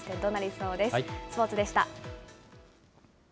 スポーツでした。